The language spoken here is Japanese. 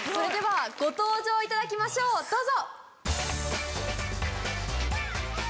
ご登場いただきましょうどうぞ！